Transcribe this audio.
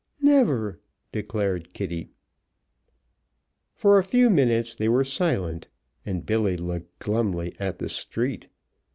"Never!" declared Kitty. For a few minutes they were silent, and Billy looked glumly at the street.